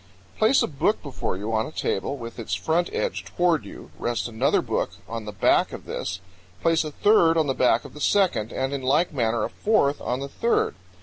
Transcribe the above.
Place a book before you on a table with its front edge toward you, rest another book on the back of this, place a third on the back of the second, and in like manner a fourth on the third.